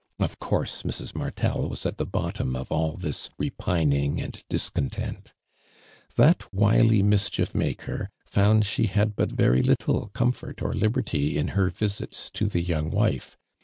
Of course Mrs. Martel was at the bottom of all this repining and discontent. That ARMAND Dl'RAND. 50 wily mischief maker found she had but very Uttle comfort or liberty in her visits to the young wife.